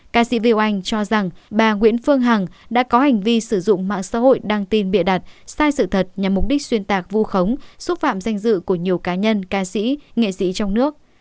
ca sĩ viu anh cho rằng bà nguyễn phương hằng đã có hành vi sử dụng mạng xã hội đăng tin bịa đặt sai sự thật nhằm mục đích xuyên tạc vu khống xúc phạm danh dự của nhiều cá nhân ca sĩ nghệ sĩ trong nước